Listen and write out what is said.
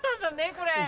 これ。